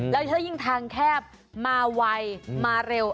แล้วถ้ายิ่งทางแคบมาไวมาเร็ว